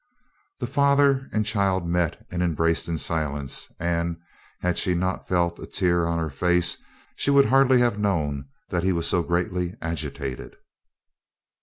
The father and child met and embraced in silence, and, had she not felt a tear on her face, she would hardly have known that he was so greatly agitated.